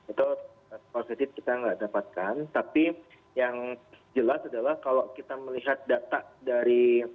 itu positif kita nggak dapatkan tapi yang jelas adalah kalau kita melihat data dari